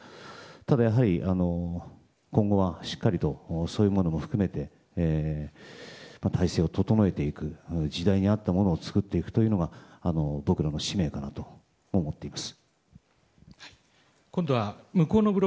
ただやはり、今後はしっかりとそういうものも含めて体制を整えていく時代に合ったものを作っていくというのが僕らの使命かなと思っています。